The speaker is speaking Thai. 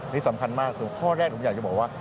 ที่สำคัญมากคือข้อแรกผมอยากจะบอกว่า